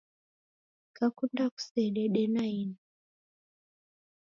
Kakunda kusedede naini